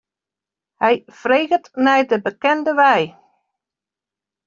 Hy freget nei de bekende wei.